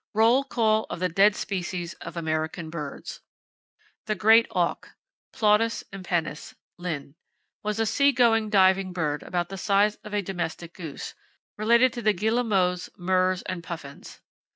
ROLL CALL OF THE DEAD SPECIES OF AMERICAN BIRDS The Great Auk, —Plautus impennis, (Linn.), was a sea going diving bird about the size of a domestic goose, related to the guillemots, murres and puffins.